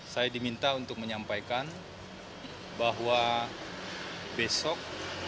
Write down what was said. saya diminta untuk menyampaikan bahwa besok